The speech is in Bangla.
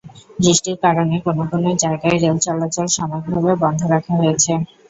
বৃষ্টির কারণে কোনো কোনো জায়গায় রেল চলাচল সাময়িকভাবে বন্ধ রাখা হয়েছে।